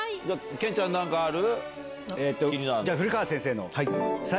健ちゃん何かある？